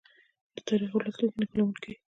د تاریخ او راتلونکي نښلونکی.